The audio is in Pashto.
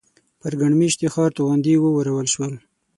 پر ګڼ مېشتي ښار توغندي وورول شول.